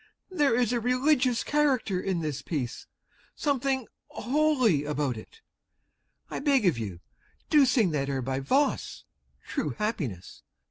There is a religious character in this piece, something holy about it! I beg of you, do sing that air by Voss, "True Happiness."